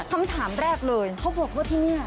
คำถามแรกเลยเขาบอกว่าที่นี่